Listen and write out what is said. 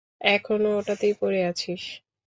এখনও ওটাতেই পড়ে আছিস!